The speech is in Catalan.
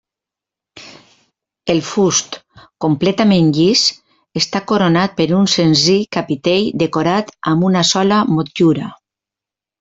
El fust, completament llis, està coronat per un senzill capitell decorat amb una sola motllura.